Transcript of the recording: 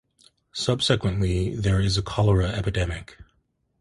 Subsequently there is a cholera epidemic.